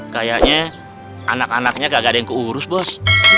kayaknya anak anaknya gak ada yang keurus bos bos